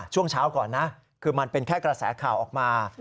ช่วงเช้าก่อนนะคือมันเป็นแค่กระแสข่าวออกมา